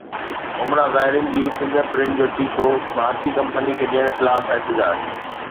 عمره زائرين جي فنگر پرنٽ جو ٺيڪو ڀارتي ڪمپني کي ڏيڻ خلاف احتجاج